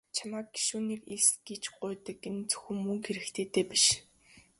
Чамайг гишүүнээр элс гэж гуйдаг чинь зөвхөн мөнгө хэрэгтэйдээ биш.